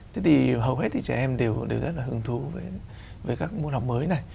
thế thì hầu hết thì trẻ em đều rất là hứng thú với các môn học mới này